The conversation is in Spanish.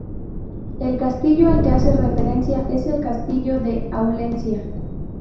El castillo al que hace referencia es el Castillo de Aulencia.